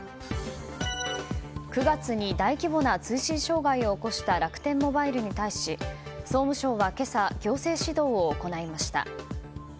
９月に大規模な通信障害を起こした楽天モバイルに対し総務省は今朝行政指導を行いました。